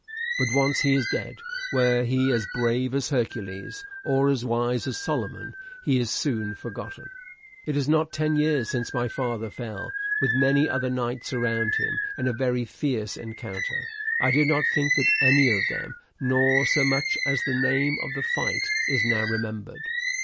But once he is dead, were he as brave as Hercules or as wise as Solomon, he is soon forgotten. It is not ten years since my father fell, with many other knights around him, in a very fierce encounter, and I do not think that any one of them, nor so much as the name of the fight, is now remembered.